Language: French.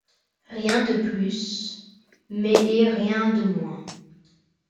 Rien de plus, mais et rien de moins.